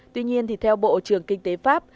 tuy nhiên theo bộ trưởng kinh tế pháp